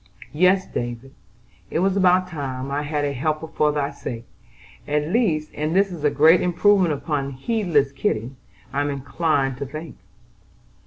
"Yes, Davy, it was about time I had a helper for thy sake, at least; and this is a great improvement upon heedless Kitty, I am inclined to think."